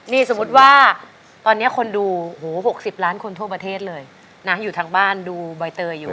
นี่สมมุติว่าตอนนี้คนดู๖๐ล้านคนทั่วประเทศเลยนะอยู่ทางบ้านดูใบเตยอยู่